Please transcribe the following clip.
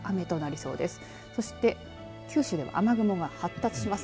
そして九州では雨雲が発達します。